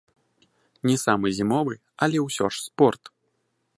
Не самы зімовы, але ўсё ж спорт.